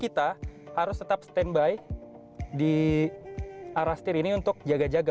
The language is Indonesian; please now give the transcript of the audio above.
kita harus tetap standby di arah setir ini untuk jaga jaga